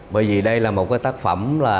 bởi vì đây là một tác phẩm